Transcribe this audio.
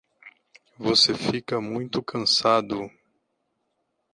Você fica muito cansado!